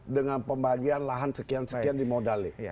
dengan pembagian lahan sekian sekian dimodali